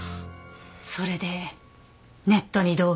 それでネットに動画を？